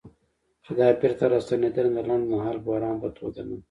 چې دا بیرته راستنېدنه د لنډمهاله بحران په توګه نه